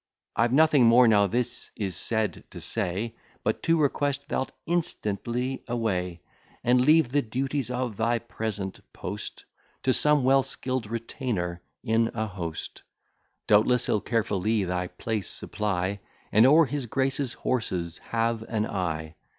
I've nothing more, now this is said, to say, But to request thou'lt instantly away, And leave the duties of thy present post, To some well skill'd retainer in a host: Doubtless he'll carefully thy place supply, And o'er his grace's horses have an eye.